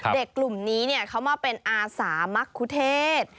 เด็กกลุ่มนี้เขามาเป็นอาสามักคุเทศ